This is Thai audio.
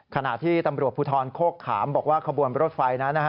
ขณะที่ตำรวจภูทรโคกขามบอกว่าขบวนรถไฟนั้นนะฮะ